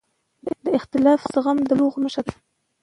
د اختلاف زغم د بلوغ نښه ده